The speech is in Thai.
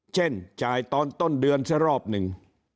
จ่ายตอนต้นเดือนซะรอบหนึ่ง